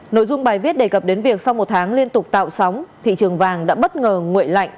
nội dung bài viết đề cập đến việc sau một tháng liên tục tạo sóng thị trường vàng đã bất ngờ nguội lạnh